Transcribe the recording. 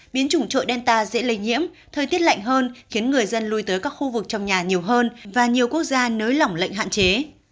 biến chủng trội delta dễ lây nhiễm thời tiết lạnh hơn khiến người dân lui tới các khu vực trong nhà nhiều hơn và nhiều quốc gia nới lỏng lệnh hạn chế